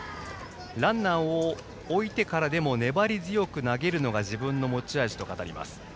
ランナーを置いてからでも粘り強く投げるのが自分の持ち味と語ります。